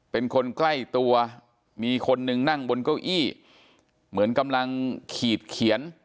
เป็นคนใกล้ตัวมีคนหนึ่งนั่งบนเก้าอี้เหมือนกำลังขีดเขียน